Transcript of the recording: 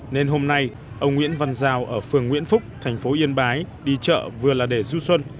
nên hôm nay ông nguyễn văn giao ở phường nguyễn phúc thành phố yên bái đi chợ vừa là để du xuân